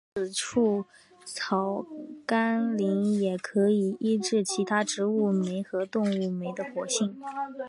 此外草甘膦也可以抑制其他植物酶和动物酶的活性。